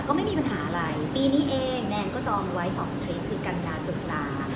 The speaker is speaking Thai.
ก็ไม่มีปัญหาอะไรปีนี้เองแนนก็จองไว้๒ทริปคือกันยาตุลา